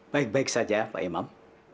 baik baik saja pak imam